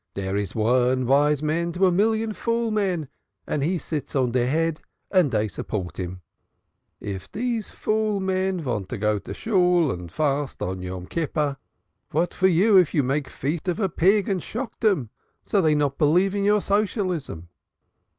Dere! is one vise man to a million fool men and he sits on deir head and dey support him. If dese fool men vant to go to Shool and to fast on Yom Kippur, vat for you make a feast of pig and shock dem, so dey not believe in your socialism?